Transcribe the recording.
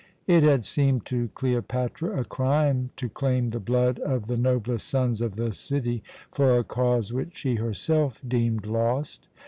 It had seemed to Cleopatra a crime to claim the blood of the noblest sons of the city for a cause which she herself deemed lost.